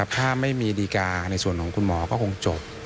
ถ้าไม่มีดีการ์ในส่วนของคุณหมอก็คงจบ